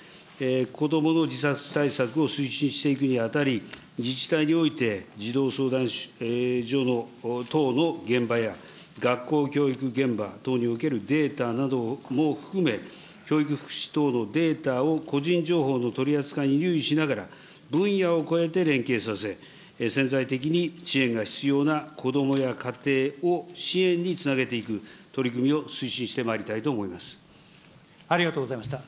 子どもの自殺対策を推進していくにあたり、自治体において、児童相談所等の現場や、学校教育現場等におけるデータなども含め、教育福祉等のデータを個人情報の取り扱いに留意しながら分野を超えて連携させ、潜在的に支援が必要な子どもや家庭の支援につなげていく取り組みありがとうございました。